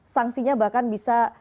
sanksinya bahkan bisa